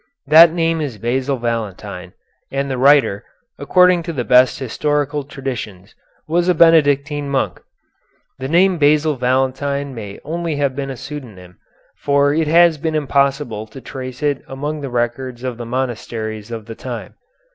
That name is Basil Valentine, and the writer, according to the best historical traditions, was a Benedictine monk. The name Basil Valentine may only have been a pseudonym, for it has been impossible to trace it among the records of the monasteries of the time.